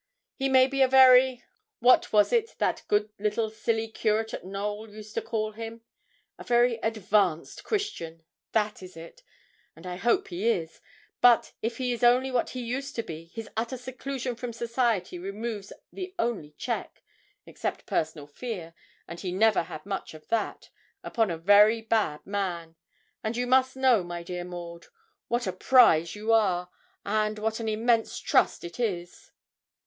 He may be a very what was it that good little silly curate at Knowl used to call him? a very advanced Christian that is it, and I hope he is; but if he is only what he used to be, his utter seclusion from society removes the only check, except personal fear and he never had much of that upon a very bad man. And you must know, my dear Maud, what a prize you are, and what an immense trust it is.'